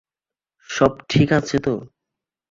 সব ঠিক আছে তো?